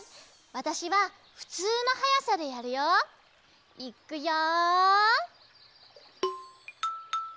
わたしはふつうのはやさでやるよ。いくよ！